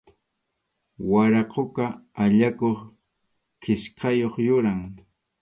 Waraquqa allakuq kichkayuq yuram.